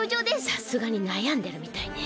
さすがになやんでるみたいね。